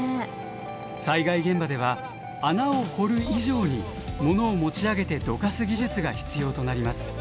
災害現場では穴を掘る以上にものを持ち上げてどかす技術が必要となります。